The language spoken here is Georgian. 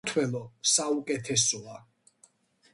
საქართველო საუკეთესოა